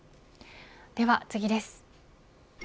では次です。